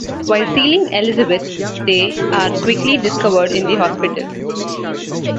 While stealing Elizabeth, they are quickly discovered in the hospital.